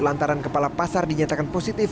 lantaran kepala pasar dinyatakan positif